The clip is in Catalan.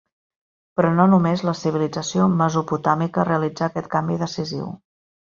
Però no només la civilització mesopotàmica realitzà aquest canvi decisiu.